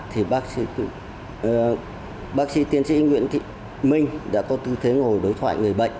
thì bác sĩ tiến sĩ nguyễn thị minh đã có tư thế ngồi đối thoại người bệnh